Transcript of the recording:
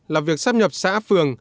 là việc sắp nhập xã phường